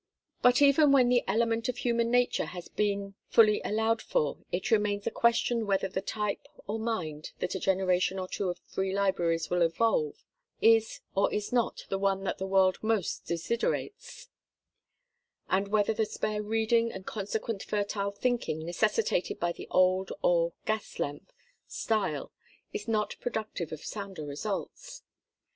But even when the element of human nature has been fully allowed for, it remains a question whether the type of mind that a generation or two of Free Libraries will evolve is or is not the one that the world most desiderates; and whether the spare reading and consequent fertile thinking necessitated by the old, or gas lamp, style is not productive of sounder results.